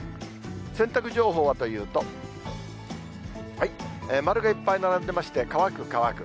洗濯情報はというと、丸がいっぱい並んでまして、乾く、乾く。